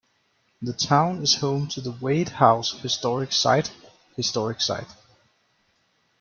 The town is home to the Wade House Historic Site historic site.